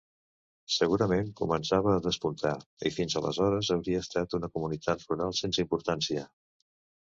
Segurament començava a despuntar i fins aleshores hauria estat una comunitat rural sense importància.